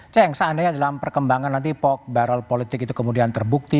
ceng seandainya dalam perkembangan nanti barrel politik itu kemudian terbukti